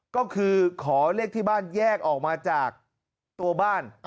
ก็คือขอเลขที่บ้านแยกออกมาจากตัวบ้าน